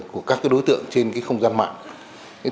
của các đối tượng trên không gian mạng